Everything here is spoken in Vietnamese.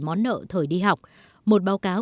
món nợ thời đi học một báo cáo